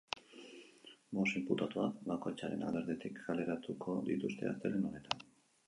Bost inputatuak bakoitzaren alderditik kaleratuko dituzte astelehen honetan.